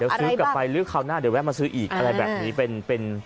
เดี๋ยวซื้อกลับไปหรือคราวหน้าเดี๋ยวแวะมาซื้ออีกอะไรแบบนี้เป็น